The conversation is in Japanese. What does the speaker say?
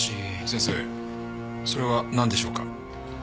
先生それはなんでしょうか？